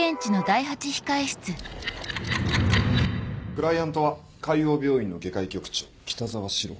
クライアントは海王病院の外科医局長・北澤司郎。